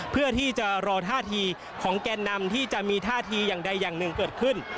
เพื่อที่จะรอท่าทีของแกนนำที่จะมีท่าทีอย่างใดอย่างหนึ่งเกิดขึ้น